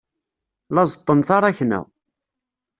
La ẓeṭṭen taṛakna.